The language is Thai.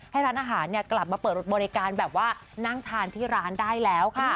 ให้ร้านอาหารกลับมาเปิดบริการแบบว่านั่งทานที่ร้านได้แล้วค่ะ